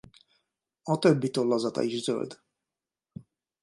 A többi tollazata is zöld.